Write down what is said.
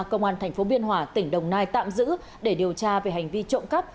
công an tp biên hòa tỉnh đồng nai tạm giữ để điều tra về hành vi trộm cắp